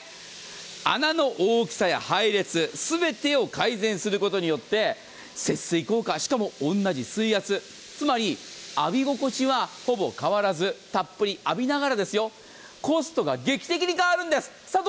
穴の大きさや配列、全てを改善することによって節水効果、しかも同じ水圧、つまり浴び心地はほぼ変わらず、たっぷり浴びながら、コストが劇的に変わるんです。